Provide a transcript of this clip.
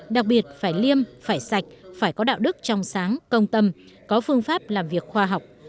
đặc biệt phải liêm phải sạch phải có đạo đức trong sáng công tâm có phương pháp làm việc khoa học